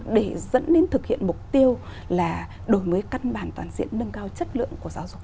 để dẫn đến thực hiện mục tiêu là đổi mới căn bản toàn diện nâng cao chất lượng của giáo dục